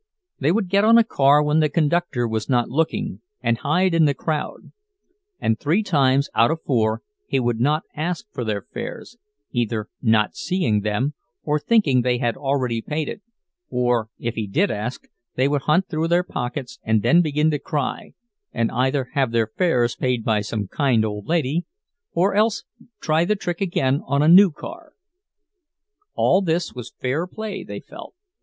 They would get on a car when the conductor was not looking, and hide in the crowd; and three times out of four he would not ask for their fares, either not seeing them, or thinking they had already paid; or if he did ask, they would hunt through their pockets, and then begin to cry, and either have their fares paid by some kind old lady, or else try the trick again on a new car. All this was fair play, they felt.